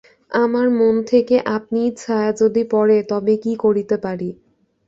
আমার মন থেকে আপনিই ছায়া যদি পড়ে, তবে কী করতে পারি।